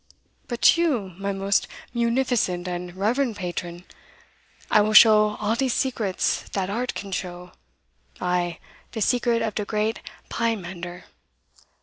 But to you, my most munificent and reverend patron, I will show all de secrets dat art can show ay, de secret of de great Pymander."